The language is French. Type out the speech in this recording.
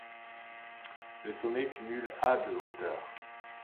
Le sommet cumule à de hauteur.